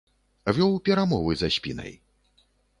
Вёў перамовы за спінай.